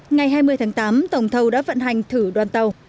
ngày hai mươi tháng tám tổng thầu đã vận hành thử đoàn tàu